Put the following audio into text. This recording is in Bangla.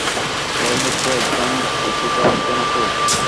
ভয় হচ্ছে, একদম উল্টোটা হচ্ছে না তো!